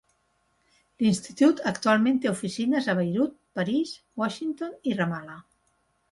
L'Institut actualment té oficines a Beirut, París, Washington i Ramallah.